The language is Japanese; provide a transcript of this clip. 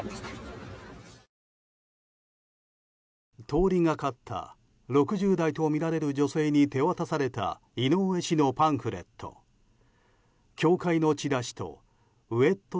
通りがかった、６０代とみられる女性に手渡された井上氏のパンフレット。